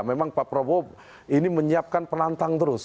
memang pak prabowo ini menyiapkan penantang terus